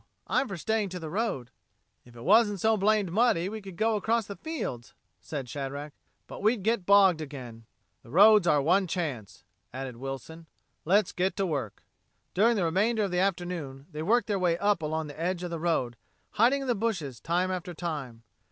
I'm for staying to the road." "If it wasn't so blamed muddy we could go across the fields," said Shadrack, "but we'd get bogged again." "The road's our one chance," added Wilson. "Let's get to work." During the remainder of the afternoon they worked their way up along the edge of the road, hiding in the bushes time after time.